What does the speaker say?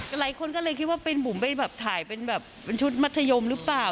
หลายคนก็เลยคิดว่าเป็นบุ๋มไปแบบถ่ายเป็นแบบเป็นชุดมัธยมหรือเปล่า